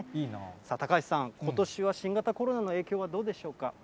高橋さん、ことしは新型コロナの影響はどうでしょうか。